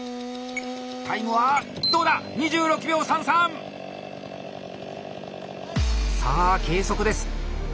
タイムはどうだ⁉さあ計測です！